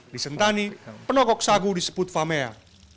di sentani penogok sagu disebut famea